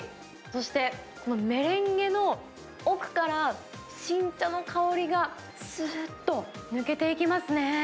そしてこのメレンゲの奥から、新茶の香りがすっと抜けていきますね。